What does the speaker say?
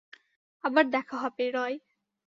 আবার দেখা হবে, রয়।